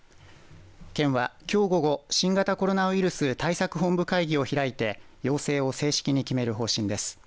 県は、きょう午後新型コロナウイルス対策本部会議を開いて要請を正式に決める方針です。